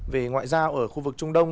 về ngoại giao